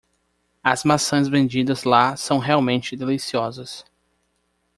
As maçãs vendidas lá são realmente deliciosas.